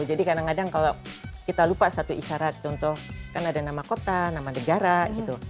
jadi kadang kadang kalau kita lupa satu isyarat contoh kan ada nama kota nama negara gitu